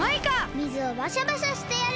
水をバシャバシャしてやる！